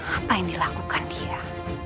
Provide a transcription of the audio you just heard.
apa yang dilakukan dia